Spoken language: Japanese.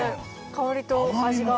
香りと味が。